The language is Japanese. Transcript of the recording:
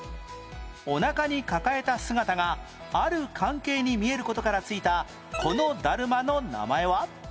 お腹に抱えた姿がある関係に見える事から付いたこのだるまの名前は？